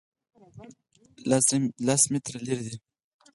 لس متره لرې دی